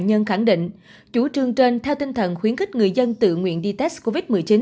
nhân khẳng định chủ trương trên theo tinh thần khuyến khích người dân tự nguyện đi test covid một mươi chín